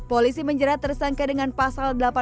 polisi menjerat tersangka dengan pasal delapan